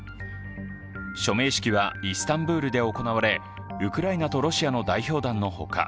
署名式はイスタンブールで行われ、ウクライナとロシアの代表団の他